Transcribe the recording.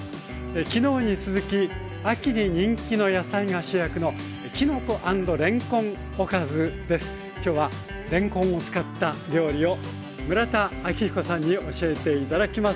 昨日に続き秋に人気の野菜が主役のきょうはれんこんを使った料理を村田明彦さんに教えて頂きます。